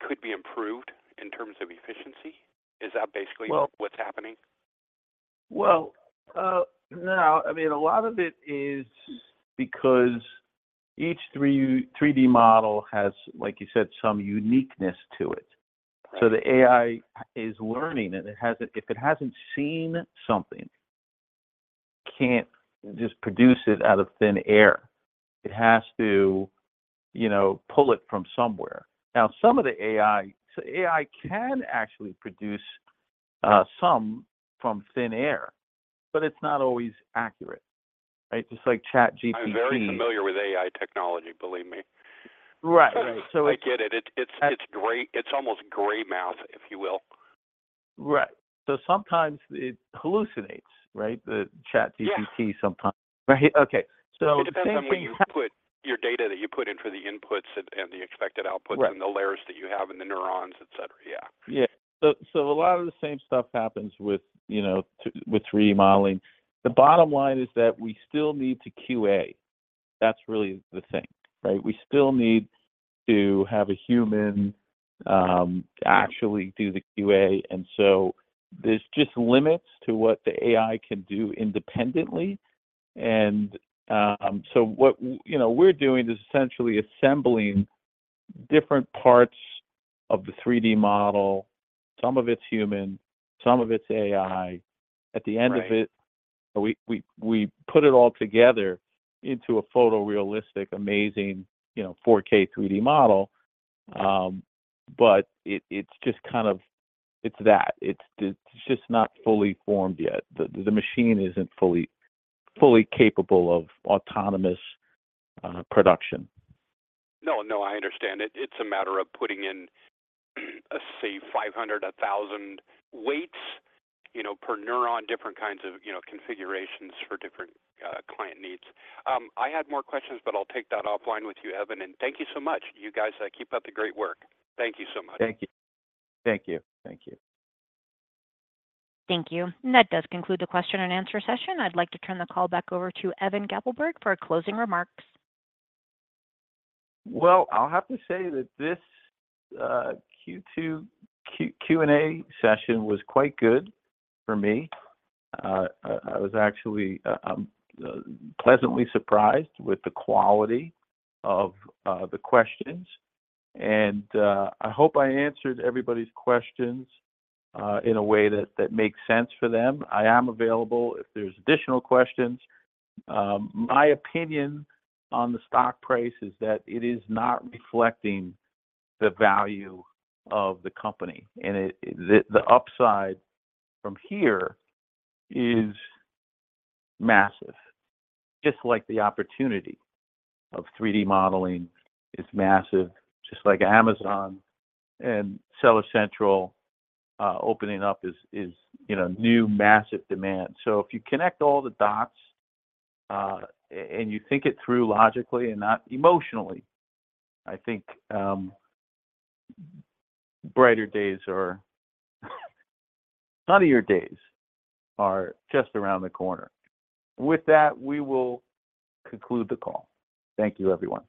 could be improved in terms of efficiency. Is that basically- Well-... what's happening? Well, now, I mean, a lot of it is because each 3D model has, like you said, some uniqueness to it. Right. The AI is learning, and if it hasn't seen something, it can't just produce it out of thin air. It has to, you know, pull it from somewhere. Some of the AI, so AI can actually produce some from thin air, but it's not always accurate. Right? Just like ChatGPT. I'm very familiar with AI technology, believe me. Right. I get it. It's great. It's almost gray math, if you will. Right. Sometimes it hallucinates, right? The ChatGPT- Yeah... sometimes. Right. Okay, so same thing- It depends on where you put your data, that you put in for the inputs and, and the expected outputs. Right and the layers that you have in the neurons, et cetera. Yeah. Yeah. So, so a lot of the same stuff happens with, you know, to, with 3D modeling. The bottom line is that we still need to QA. That's really the thing, right? We still need to have a human actually do the QA, and so there's just limits to what the AI can do independently. What, you know, we're doing is essentially assembling different parts of the 3D model. Some of it's human, some of it's AI. Right. At the end of it, we, we, we put it all together into a photorealistic, amazing, you know, 4K 3D model. It, it's just kind of, it's that. It's, it's just not fully formed yet. The, the machine isn't fully, fully capable of autonomous production. No, no, I understand. It, it's a matter of putting in, say, 500, 1,000 weights, you know, per neuron, different kinds of, you know, configurations for different client needs. I had more questions, but I'll take that offline with you, Evan, and thank you so much. You guys, keep up the great work. Thank you so much. Thank you. Thank you. Thank you. Thank you. That does conclude the question and answer session. I'd like to turn the call back over to Evan Gappelberg for closing remarks. Well, I'll have to say that this Q2 Q&A session was quite good for me. I, I was actually pleasantly surprised with the quality of the questions, and I hope I answered everybody's questions in a way that, that makes sense for them. I am available if there's additional questions. My opinion on the stock price is that it is not reflecting the value of the company, and it, the, the upside from here is massive, just like the opportunity of 3D modeling is massive, just like Amazon and Seller Central opening up is, is, you know, new, massive demand. If you connect all the dots, and you think it through logically and not emotionally, I think brighter days are, sunnier days are just around the corner. With that, we will conclude the call. Thank you, everyone.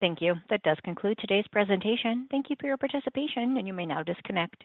Thank you. That does conclude today's presentation. Thank you for your participation. You may now disconnect.